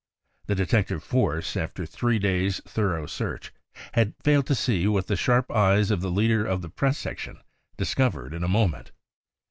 The detective force, after three days thorough search, had failed to see what the sharp eyes of the leader of the press section discovered in , a moment.